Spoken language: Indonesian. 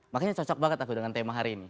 makanya cocok banget aku dengan tema hari ini